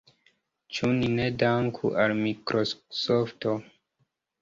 Ĉu ni ne danku al Mikrosofto?